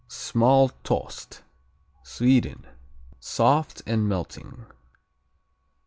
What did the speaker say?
Smältost Sweden Soft and melting.